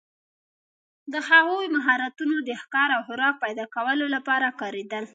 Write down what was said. د هغوی مهارتونه د ښکار او خوراک پیداکولو لپاره کارېدل.